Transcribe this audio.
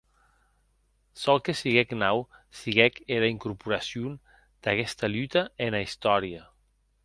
Çò que siguec nau siguec era incorporacion d'aguesta luta ena Istòria.